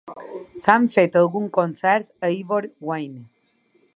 S'han fet alguns concerts a Ivor Wynne.